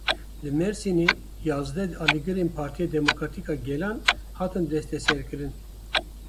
Li Mersînê yazdeh alîgirên Partiya Demokratîk a Gelan hatin desteserkirin.